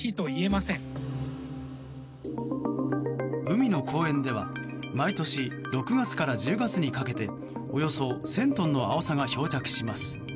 海の公園では毎年６月から１０月にかけておよそ１０００トンのアオサが漂着します。